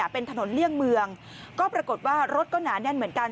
เป็นถนนเลี่ยงเมืองก็ปรากฏว่ารถก็หนาแน่นเหมือนกัน